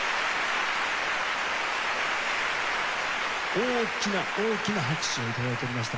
大きな大きな拍手を頂いておりました。